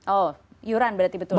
oh iuran berarti betul ya